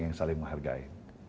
yang saling menghargai